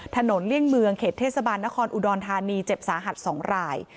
เลี่ยงเมืองเขตเทศบาลนครอุดรธานีเจ็บสาหัส๒ราย